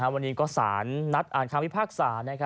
วันนี้ก็สารนัดอ่านคำพิพากษา